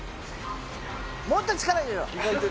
もっと力入れろ！